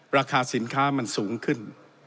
ราคาสินค้ามันสูงขึ้น